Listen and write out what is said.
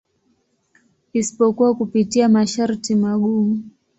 Isipokuwa kupitia masharti magumu.